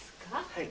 はい。